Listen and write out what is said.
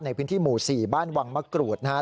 ในพื้นที่หมู่๔บ้านวังมะกรูดนะครับ